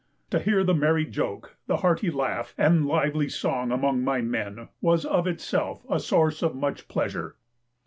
To hear the merry joke, the hearty laugh, and lively song among my men, was of itself a source of much pleasure.